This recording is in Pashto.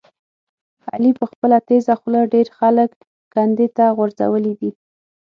علي په خپله تېزه خوله ډېر خلک کندې ته غورځولي دي.